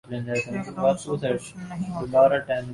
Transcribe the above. ایک دم سے کچھ نہیں ہوتا۔